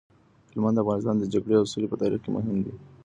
هلمند د افغانستان د جګړې او سولې په تاریخ کي مهم دی.